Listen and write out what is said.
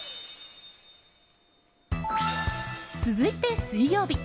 続いて、水曜日。